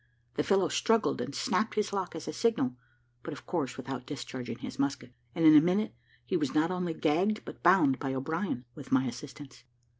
The fellow struggled, and snapped his lock as a signal, but of course without discharging his musket, and in a minute he was not only gagged but bound by O'Brien, with my assistance.